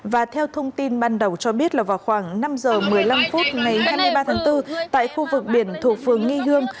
và theo thông tin ban đầu cho biết là vào khoảng năm giờ một mươi năm phút ngày hai mươi ba tháng bốn tại khu vực biển thuộc phường nghi hương